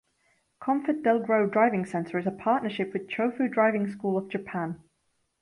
ComfortDelGro Driving Centre is a partnership with Chofu Driving School of Japan.